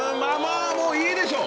もういいでしょう